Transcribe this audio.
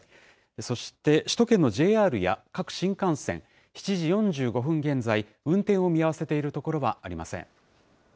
そして首都圏のＪＲや各新幹線、７時４５分現在、運転を見合わせている所はありま